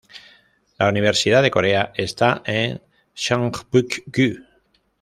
La Universidad de Corea está en Seongbuk-gu.